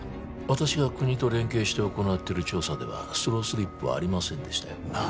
私が国と連携して行ってる調査ではスロースリップはありませんでしたよああ